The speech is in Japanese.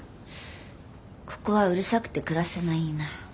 ここはうるさくて暮らせないな。